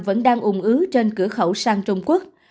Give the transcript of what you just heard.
vẫn đang ủng ứ trên cửa khẩu sang trung quốc